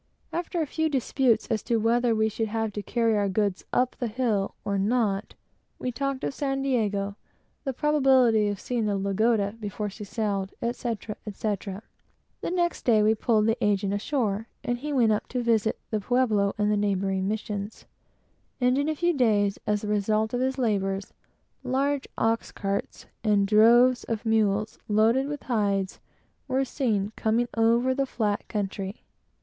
After a few disputes as to whether we should have to carry our goods up the hill, or not, we talked of San Diego, the probability of seeing the Lagoda before she sailed, etc., etc. The next day we pulled the agent ashore, and he went up to visit the Pueblo and the neighboring missions; and in a few days, as the result of his labors, large ox carts, and droves of mules, loaded with hides, were seen coming over the flat country.